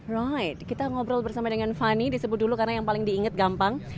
roy kita ngobrol bersama dengan fani disebut dulu karena yang paling diingat gampang